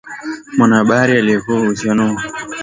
Mwanahabari aliyeko uhamishoni aeleza hali ya waandishi Burundi